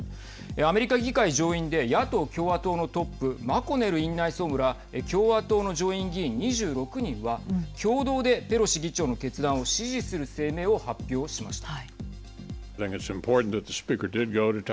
アメリカ議会上院で野党・共和党のトップマコネル院内総務ら共和党の上院議員２６人は共同で、ペロシ議長の決断を支持する声明を発表しました。